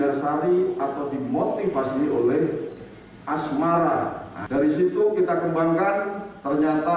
ketiga adalah dirasali atau dimotivasi oleh asmara dari situ kita kembangkan ternyata